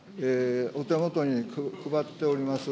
お手元に配っております